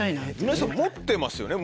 皆さん持ってますよね